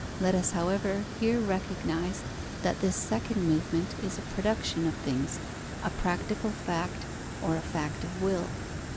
Let us, however, here recognize that this second movement is a production of things, a practical fact, or a fact of will.